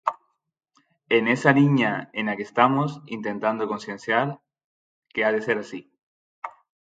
E nesa liña é na que estamos, intentando concienciar que ha de ser así.